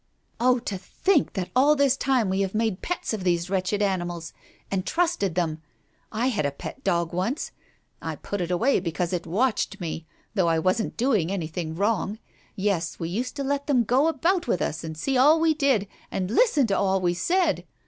"Oh, to think that all this time we have made pets of these wretched animals, and trusted them — I had a pet dog once — I put it away because it watched me, though I wasn't doing anything wrong. Yes, we used to let them go about with us, and see all we did, and listen to all we said